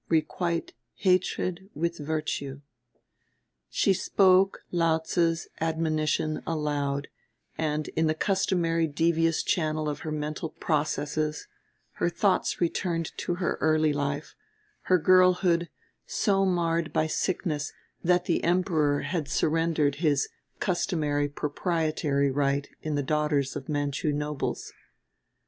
"Requite hatred with virtue." She spoke Lao tze's admonition aloud and, in the customary devious channel of her mental processes, her thoughts returned to her early life, her girlhood, so marred by sickness that the Emperor had surrendered his customary proprietary right in the daughters of Manchu nobles.